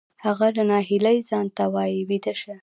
هغه له ناهیلۍ ځان ته وایی ویده شه